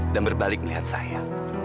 dan berbalik melihat saya